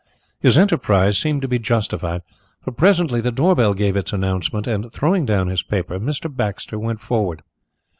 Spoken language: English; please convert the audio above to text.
His enterprise seemed to be justified, for presently the door bell gave its announcement, and throwing down his paper Mr. Baxter went forward.